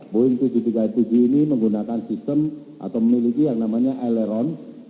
boeing tujuh ratus tiga puluh tujuh ini menggunakan sistem atau memiliki yang namanya aileron